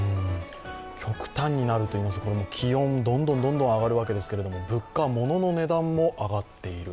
極端になるといいますが気温がどんどん上がるわけですけれども物価、物の値段も上がっている。